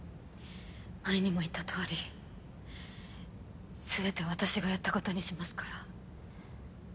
前にも言った通り全て私がやったことにしますから。